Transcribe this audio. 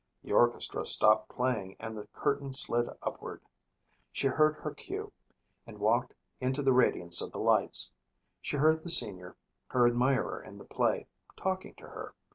The orchestra stopped playing and the curtain slid upward. She heard her cue and walked into the radiance of the lights. She heard the senior, her admirer in the play, talking to her.